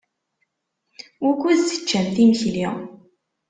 Wukud teččamt imekli?